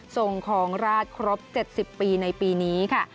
ส่งของราชครบ๗๐ปีในปีนี้ค่ะ